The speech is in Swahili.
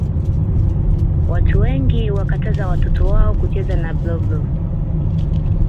Watu wengi huwakataza watoto wao kucheza na blob